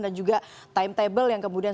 dan juga timetable yang kemudian